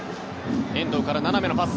遠藤から斜めのパス。